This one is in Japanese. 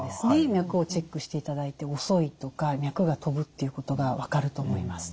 脈をチェックしていただいて遅いとか脈が飛ぶっていうことが分かると思います。